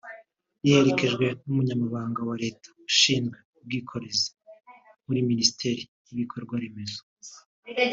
riherekejwe n’Umunyamabanga wa Leta ushinzwe ubwikorezi muri Minisiteri y’Ibikorwaremezo